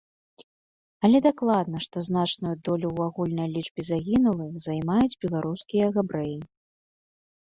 Але дакладна, што значную долю ў агульнай лічбе загінулых займаюць беларускі габрэі.